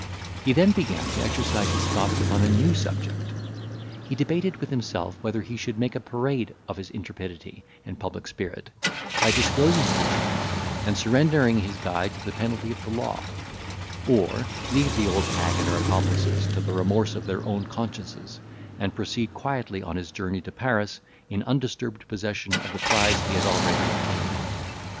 He then began to exercise his thoughts upon a new subject. He debated with himself, whether he should make a parade of his intrepidity and public spirit, by disclosing his achievement, and surrendering his guide to the penalty of the law; or leave the old hag and her accomplices to the remorse of their own consciences, and proceed quietly on his journey to Paris in undisturbed possession of the prize he had already obtained.